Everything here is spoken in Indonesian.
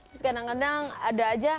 terus kadang kadang ada aja